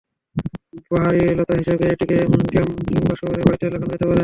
বাহারি লতা হিসেবে এটিকে গ্রাম কিংবা শহরের বাড়িতে লাগানো যেতে পারে।